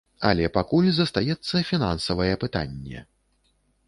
Але пакуль застаецца фінансавае пытанне.